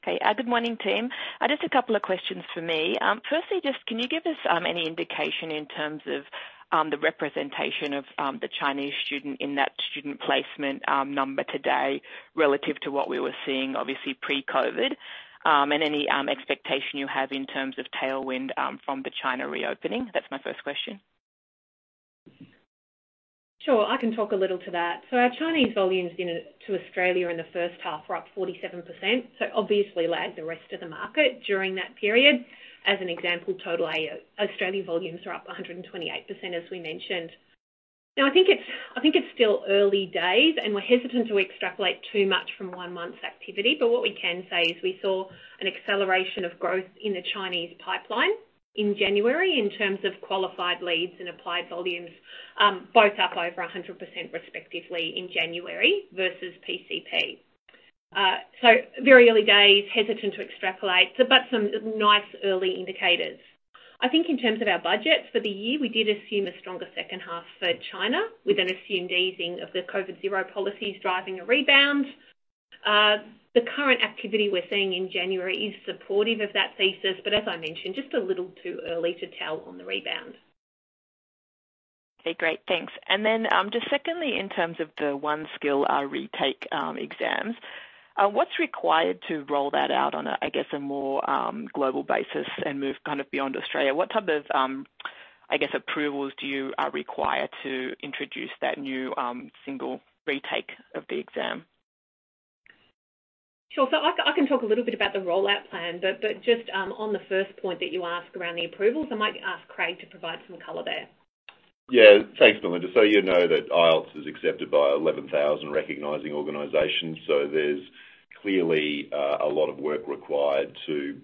S10: Okay. Good morning, team. Just a couple of questions for me. Firstly, just can you give us any indication in terms of the representation of the Chinese student in that student placement number today relative to what we were seeing, obviously pre-COVID, and any expectation you have in terms of tailwind from the China reopening? That's my first question.
S1: Sure. I can talk a little to that. Our Chinese volumes to Australia in the first half were up 47%, so obviously lagged the rest of the market during that period. As an example, total Australian volumes are up 128%, as we mentioned. Now, I think it's, I think it's still early days, and we're hesitant to extrapolate too much from 1 month's activity. What we can say is we saw an acceleration of growth in the Chinese pipeline in January in terms of qualified leads and applied volumes, both up over 100% respectively in January versus PCP. Very early days, hesitant to extrapolate, but some nice early indicators. I think in terms of our budgets for the year, we did assume a stronger second half for China with an assumed easing of the COVID-zero policies driving a rebound. The current activity we're seeing in January is supportive of that thesis, as I mentioned, just a little too early to tell on the rebound.
S10: Okay, great. Thanks. Just secondly, in terms of the One Skill Retake exams, what's required to roll that out on a, I guess, a more global basis and move kind of beyond Australia? What type of, I guess, approvals do you require to introduce that new single retake of the exam?
S1: Sure. I can talk a little bit about the rollout plan, but just on the first point that you asked around the approvals, I might ask Craig to provide some color there.
S5: Yeah. Thanks, Melinda. You know that IELTS is accepted by 11,000 recognizing organizations. Clearly, a lot of work required to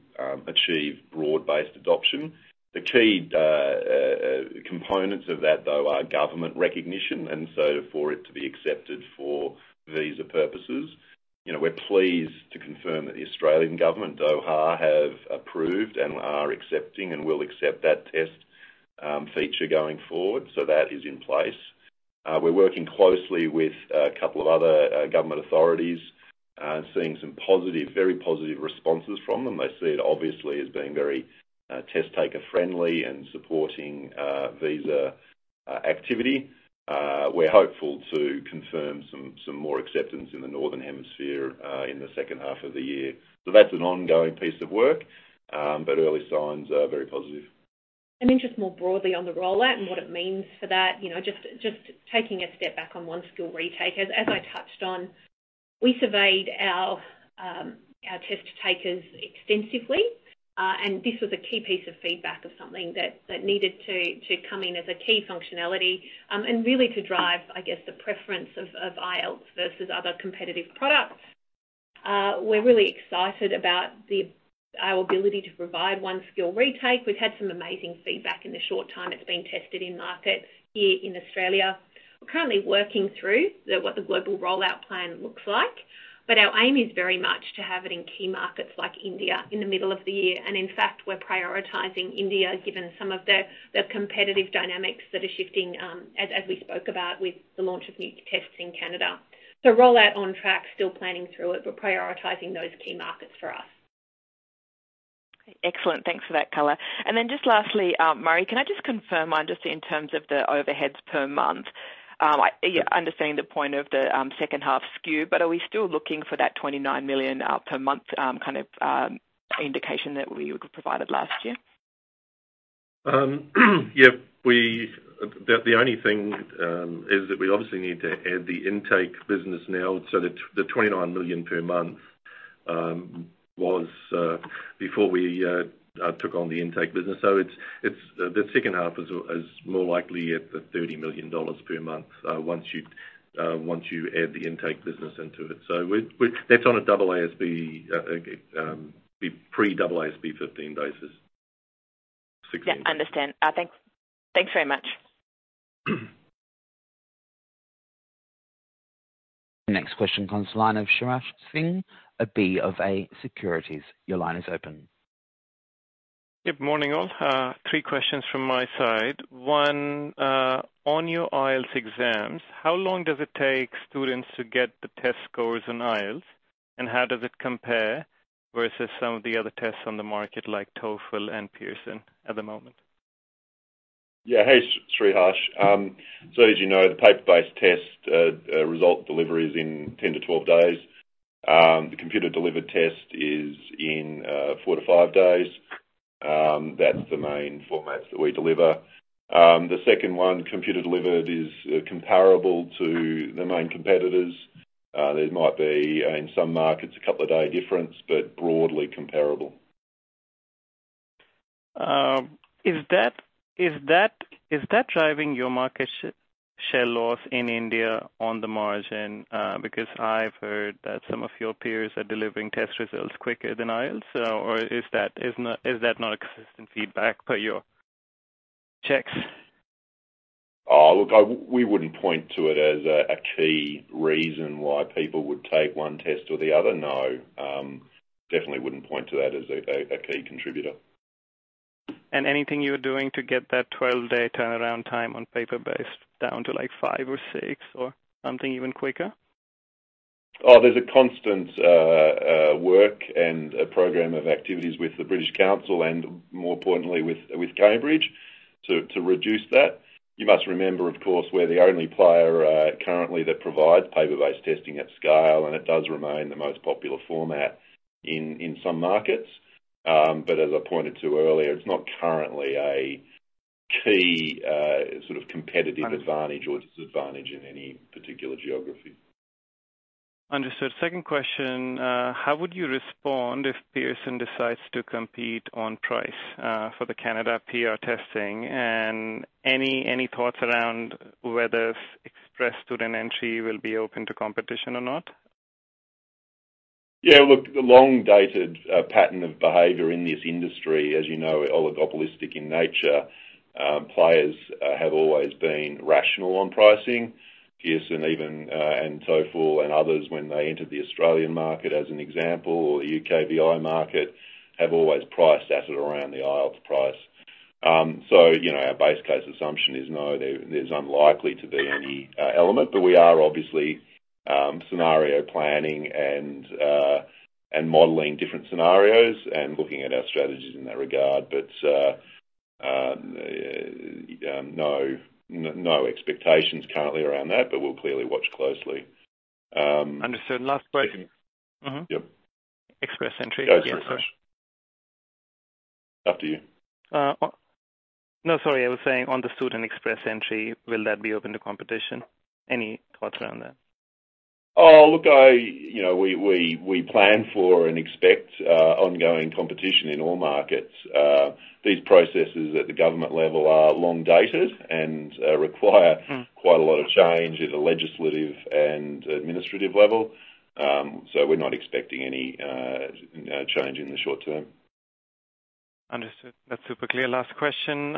S5: achieve broad-based adoption. The key components of that, though, are government recognition, for it to be accepted for visa purposes. You know, we're pleased to confirm that the Australian government, DOHA, have approved and are accepting and will accept that test feature going forward, that is in place. We're working closely with a couple of other government authorities. Seeing some positive, very positive responses from them. They see it obviously as being very test taker friendly and supporting visa activity. We're hopeful to confirm some more acceptance in the northern hemisphere in the second half of the year. That's an ongoing piece of work, but early signs are very positive.
S1: Just more broadly on the rollout and what it means for that, you know, just taking a step back on One Skill Retakers. As I touched on, we surveyed our test takers extensively, and this was a key piece of feedback of something that needed to come in as a key functionality, and really to drive, I guess, the preference of IELTS versus other competitive products. We're really excited about our ability to provide One Skill Retake. We've had some amazing feedback in the short time it's been tested in markets here in Australia. We're currently working through what the global rollout plan looks like, but our aim is very much to have it in key markets like India in the middle of the year. In fact, we're prioritizing India, given some of the competitive dynamics that are shifting, as we spoke about with the launch of new tests in Canada. Rollout on track, still planning through it, but prioritizing those key markets for us.
S10: Excellent. Thanks for that color. Just lastly, Murray, can I just confirm, just in terms of the overheads per month? I, yeah, understanding the point of the second half skew, are we still looking for that 29 million per month kind of indication that we provided last year?
S2: Yeah. The only thing is that we obviously need to add the Intake business now. The 29 million per month was before we took on the Intake business. The second half is more likely at the 30 million dollars per month once you add the Intake business into it. That's on a AASB pre-AASB 15 basis. 16.
S10: Yeah, understand. Thanks. Thanks very much.
S3: Next question comes the line of Sriharsh Singh, BofA Securities. Your line is open.
S11: Good morning, all. Three questions from my side. One, on your IELTS exams, how long does it take students to get the test scores on IELTS? How does it compare versus some of the other tests on the market like TOEFL and Pearson at the moment?
S5: Yeah. Hey, Sriharsh. As you know, the paper-based test, result delivery is in 10-12 days. The computer-delivered test is in four-five days. That's the main formats that we deliver. The second one, computer-delivered, is comparable to the main competitors. There might be, in some markets, a couple of day difference, but broadly comparable.
S11: Is that driving your market share loss in India on the margin, because I've heard that some of your peers are delivering test results quicker than IELTS? Or is that not a consistent feedback per your checks?
S5: Oh, look, We wouldn't point to it as a key reason why people would take one test or the other, no. Definitely wouldn't point to that as a key contributor.
S11: Anything you're doing to get that 12-day turnaround time on paper-based down to, like, five or six or something even quicker?
S5: There's a constant work and a program of activities with the British Council and, more importantly, with Cambridge to reduce that. You must remember, of course, we're the only player currently that provides paper-based testing at scale, and it does remain the most popular format in some markets. As I pointed to earlier, it's not currently a key sort of competitive advantage or disadvantage in any particular geography.
S11: Understood. Second question, how would you respond if Pearson decides to compete on price, for the Canada PR testing? Any thoughts around whether Express Entry will be open to competition or not?
S5: Look, the long-dated pattern of behavior in this industry, as you know, oligopolistic in nature, players have always been rational on pricing. Pearson even, and TOEFL and others when they entered the Australian market as an example or the UKVI market, have always priced at or around the IELTS price. You know, our base case assumption is no, there's unlikely to be any element. We are obviously scenario planning and modeling different scenarios and looking at our strategies in that regard. No expectations currently around that, but we'll clearly watch closely.
S11: Understood. Last question.
S5: Yep.
S11: Express Entry.
S5: Go, Sriharsh. After you.
S11: No, sorry. I was saying on the Express Entry, will that be open to competition? Any thoughts around that?
S5: Look, you know, we plan for and expect ongoing competition in all markets. These processes at the government level are long-dated.
S11: Mm.
S5: -quite a lot of change at the legislative and administrative level. we're not expecting any change in the short term.
S11: Understood. That's super clear. Last question.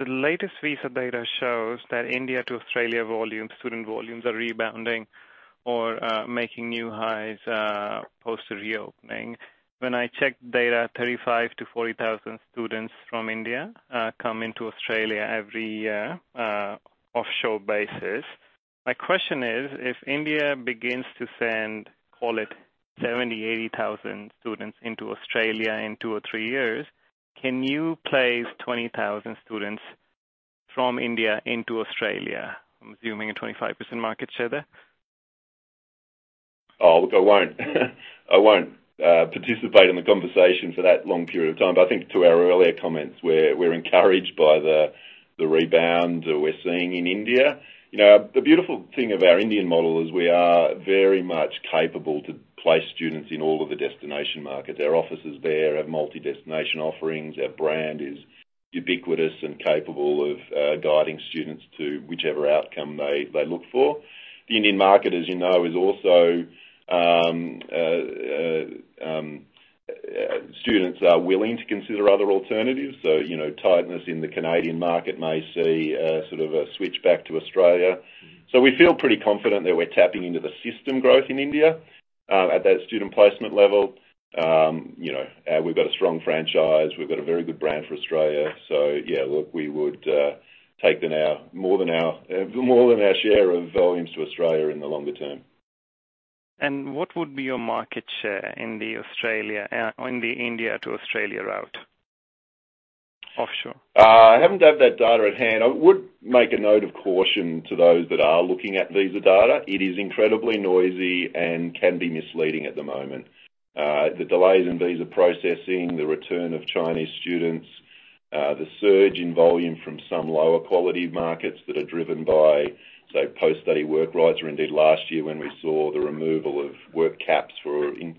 S11: The latest visa data shows that India to Australia volume, student volumes are rebounding or making new highs post reopening. When I checked data, 35,000-40,000 students from India come into Australia every year offshore basis. My question is, if India begins to send, call it 70,000-80,000 students into Australia in two or three years, can you place 20,000 students from India into Australia? I'm assuming a 25% market share there.
S5: I won't participate in the conversation for that long period of time. I think to our earlier comments, we're encouraged by the rebound that we're seeing in India. You know, the beautiful thing of our Indian model is we are very much capable to place students in all of the destination markets. Our offices there have multi-destination offerings. Our brand is ubiquitous and capable of guiding students to whichever outcome they look for. The Indian market, as you know, is also students are willing to consider other alternatives. You know, tightness in the Canadian market may see a sort of a switch back to Australia. We feel pretty confident that we're tapping into the system growth in India at that student placement level. You know, we've got a strong franchise. We've got a very good brand for Australia. Yeah, look, we would take more than our share of volumes to Australia in the longer term.
S11: What would be your market share in the Australia on the India to Australia route? Offshore.
S5: I haven't had that data at hand. I would make one note of caution to those that are looking at visa data. It is incredibly noisy and can be misleading at the moment. The delays in visa processing, the return of Chinese students, the surge in volume from some lower quality markets that are driven by, say, post-study work rights, or indeed last year when we saw the removal of work caps for, in,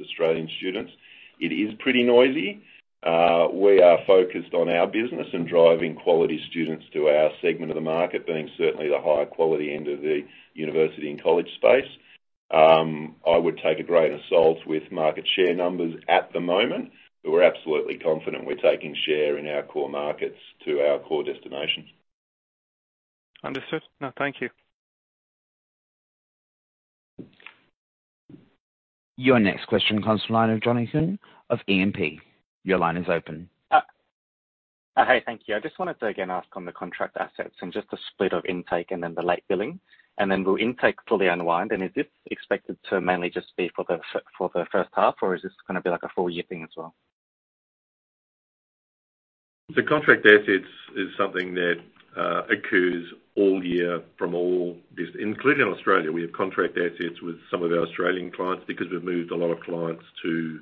S5: Australian students. It is pretty noisy. We are focused on our business and driving quality students to our segment of the market being certainly the higher quality end of the university and college space. I would take a grain of salt with market share numbers at the moment. We're absolutely confident we're taking share in our core markets to our core destinations.
S11: Understood. No, thank you.
S3: Your next question comes from the line of Jonathan of JMP. Your line is open.
S12: Hey, thank you. I just wanted to again ask on the contract assets and just the split of Intake and then the late billing. Will Intake fully unwind, and is this expected to mainly just be for the first half, or is this gonna be like a full year thing as well?
S2: The contract assets is something that occurs all year from all business, including in Australia. We have contract assets with some of our Australian clients because we've moved a lot of clients to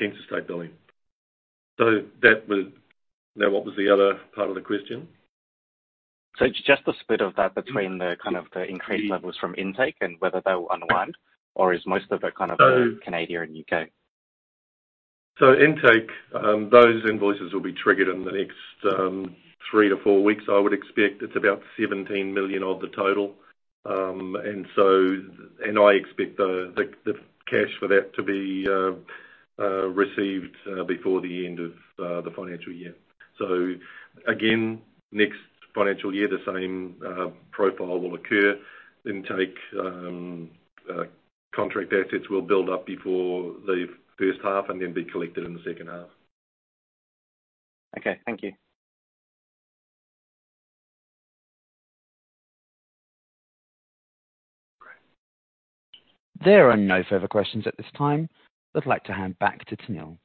S2: interstate billing. Now, what was the other part of the question?
S12: It's just the split of that between the kind of the increased levels from Intake and whether they'll unwind or is most of it kind of.
S5: So-
S12: Canada and U.K.
S4: Intake, those invoices will be triggered in the next three to four weeks, I would expect. It's about 17 million of the total. I expect the cash for that to be received before the end of the financial year. Again, next financial year, the same profile will occur. Intake, contract assets will build up before the first half and then be collected in the second half.
S12: Okay. Thank you.
S3: There are no further questions at this time. I'd like to hand back to Tenille.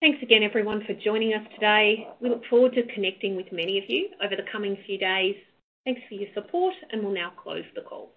S1: Thanks again everyone for joining us today. We look forward to connecting with many of you over the coming few days. Thanks for your support, and we'll now close the call.